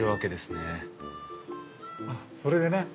あっそれでね